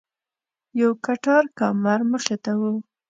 یو کټار کمر مخې ته و.